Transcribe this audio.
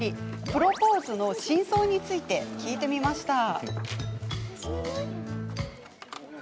プロポーズの真相について聞いてみました。